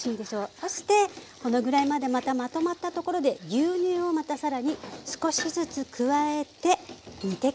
そしてこのぐらいまでまたまとまったところで牛乳をまた更に少しずつ加えて煮て下さい。